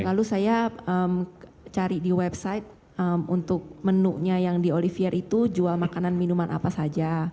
lalu saya cari di website untuk menunya yang di olivier itu jual makanan minuman apa saja